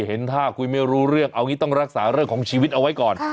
เห็นท่าคุยไม่รู้เรื่องเอางี้ต้องรักษาเรื่องของชีวิตเอาไว้ก่อน